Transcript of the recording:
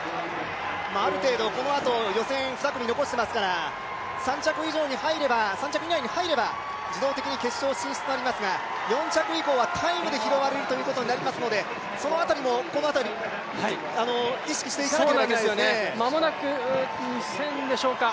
ある程度このあと予選２組残していますから３着以内に入れば自動的に決勝進出となりますが４着以降は、タイムで拾われるということになりますのでその辺りも意識していかなければいけないですね。